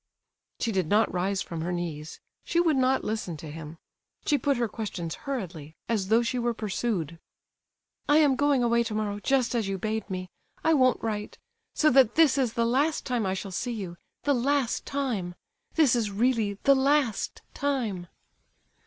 She did not rise from her knees; she would not listen to him; she put her questions hurriedly, as though she were pursued. "I am going away tomorrow, as you bade me—I won't write—so that this is the last time I shall see you, the last time! This is really the _last time!